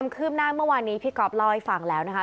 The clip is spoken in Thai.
คืบหน้าเมื่อวานนี้พี่ก๊อฟเล่าให้ฟังแล้วนะคะ